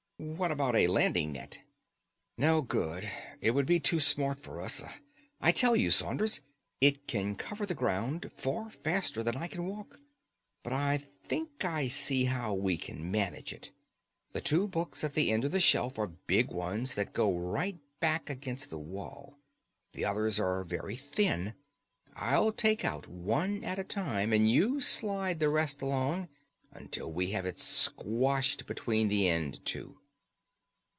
"What about a landing net?" "No good. It would be too smart for us. I tell you, Saunders, it can cover the ground far faster than I can walk. But I think I see how we can manage it. The two books at the end of the shelf are big ones that go right back against the wall. The others are very thin. I'll take out one at a time, and you slide the rest along until we have it squashed between the end two."